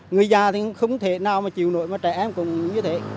người già thì không thể nào mà chịu nổi mà trẻ em cũng như thế